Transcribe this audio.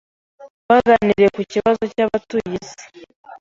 Twaganiriye ku kibazo cyabatuye isi.